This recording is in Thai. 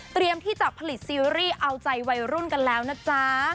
ที่จะผลิตซีรีส์เอาใจวัยรุ่นกันแล้วนะจ๊ะ